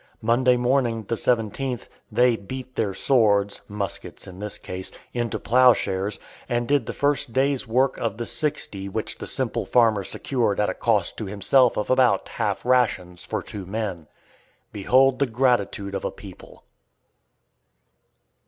Monday morning, the 17th, they "beat their swords" (muskets, in this case) into plow shares, and did the first day's work of the sixty which the simple farmer secured at a cost to himself of about half rations for two men. Behold the gratitude of a people!